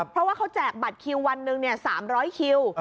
เพราะว่าเขาแจกบัตรคิววันหนึ่ง๓๐๐คิว